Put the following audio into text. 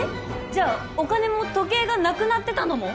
じゃあお金も時計がなくなってたのも。